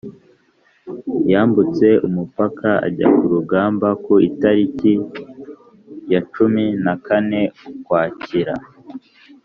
yambutse umupaka ajya ku rugamba ku itariki y' cumi na kane ukwakira